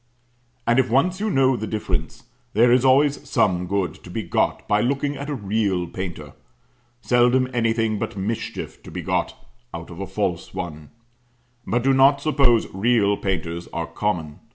And if once you know the difference, there is always some good to be got by looking at a real painter seldom anything but mischief to be got out of a false one; but do not suppose real painters are common.